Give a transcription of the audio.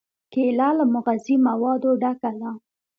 کېله له مغذي موادو ډکه ده.